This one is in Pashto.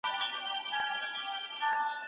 پوهه په مورنۍ ژبه وړاندې کيږي.